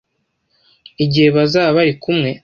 igihe bazaba bari kumwe